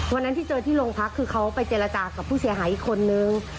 วันนั้นที่เจอที่โรงพักคือเขาไปเจรจากับผู้เสียหายอีกคนนึง